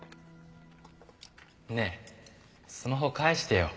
ねえスマホ返してよ。